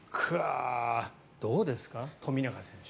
どうですか富永選手。